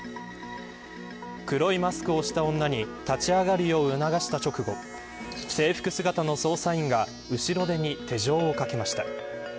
黒いマスクをした女に立ち上がるよう促した直後制服姿の捜査員が後ろ手に手錠をかけました。